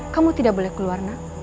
kamu tidak boleh keluar nak